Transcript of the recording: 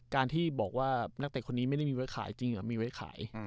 การที่บอกว่านักเตะคนนี้ไม่ได้มีไว้ขายจริงเหรอมีไว้ขาย